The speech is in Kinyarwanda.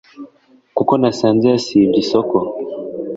Kuko nasanze yasibye isoko